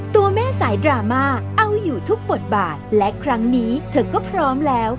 ตัวแม่สายดราม่าเอาอยู่ทุกบทบาทและครั้งนี้เธอก็พร้อมแล้ว